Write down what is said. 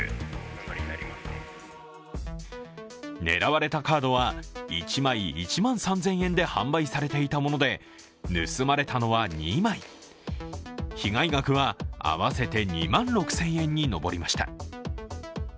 狙われたカードは１枚１万３０００円で販売されたもので、盗まれたのは２枚、被害額は合わせて２万６０００円に上りました。